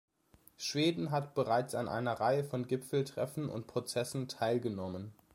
Schweden hat bereits an einer Reihe von Gipfeltreffen und Prozessen teilgenommen.